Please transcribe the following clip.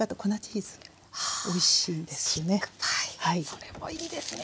それもいいですね。